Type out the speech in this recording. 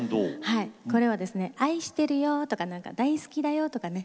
これは愛してるよとか大好きだよとかね